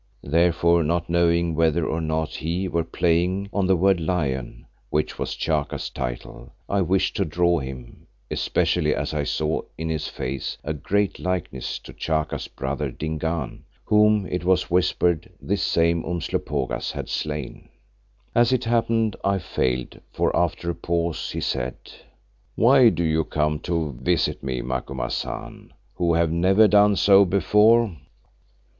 Therefore not knowing whether or no he were playing on the word "lion," which was Chaka's title, I wished to draw him, especially as I saw in his face a great likeness to Chaka's brother Dingaan, whom, it was whispered, this same Umslopogaas had slain. As it happened I failed, for after a pause he said, "Why do you come to visit me, Macumazahn, who have never done so before?"